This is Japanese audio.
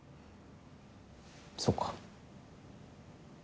そうか。